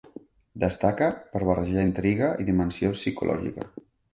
Destaca per barrejar intriga i dimensió psicològica.